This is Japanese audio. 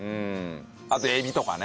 あとえびとかね。